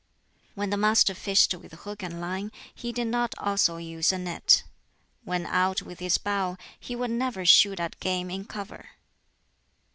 When the Master fished with hook and line, he did not also use a net. When out with his bow, he would never shoot at game in cover.